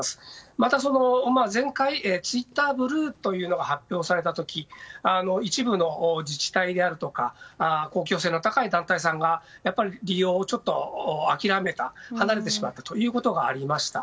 また前回ツイッターブルーというのが発表された時一部の自治体であるとか公共性の高い団体さんが利用を、ちょっと諦めた離れてしまったということがありました。